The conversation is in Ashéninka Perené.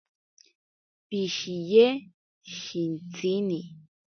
Pishiye shintsini.